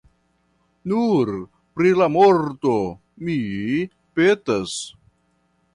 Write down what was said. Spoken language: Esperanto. Nur pri la morto mi petas!